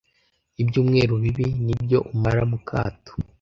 Ibyumweru bibi nibyo umara mukato.